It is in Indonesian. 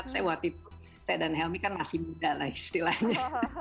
saya waktu itu saya dan helmi kan masih muda lah istilahnya